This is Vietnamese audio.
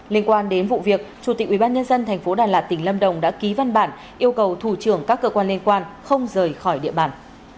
liên quan đến vụ việc chủ tịch ubnd tp đà lạt tỉnh lâm đồng đã ký văn bản yêu cầu thủ trưởng các cơ quan liên quan không rời khỏi địa bàn